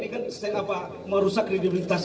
karena ini kan merusak kredibilitas